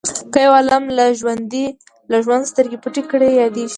که یو عالم له ژوند سترګې پټې کړي یادیږي.